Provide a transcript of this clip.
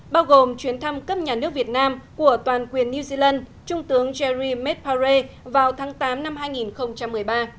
bao gồm chuyến thăm cấp nhà nước việt nam của toàn quyền new zealand trung tướng jerry medpary vào tháng tám năm hai nghìn một mươi ba